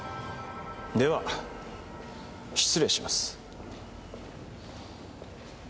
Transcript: では失礼します。